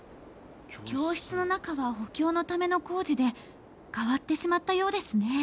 教室の中は補強のための工事で変わってしまったようですね。